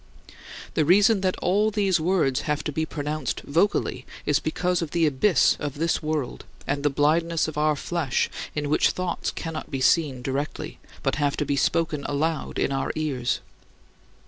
" The reason that all these words have to be pronounced vocally is because of the abyss of this world and the blindness of our flesh in which thoughts cannot be seen directly, but have to be spoken aloud in our ears.